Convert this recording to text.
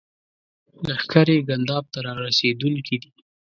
لښکرې ګنداب ته را رسېدونکي دي.